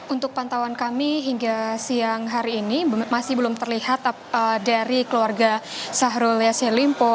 untuk pantauan kami hingga siang hari ini masih belum terlihat dari keluarga syahrul yassin limpo